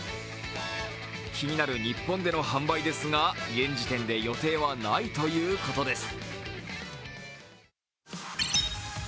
気になる日本での販売ですが、現時点で予定はないということです。